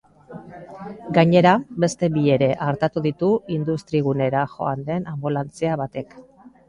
Gainera, beste bi ere artatu ditu industrigunera joan den anbulantzia batek.